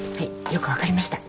よく分かりました。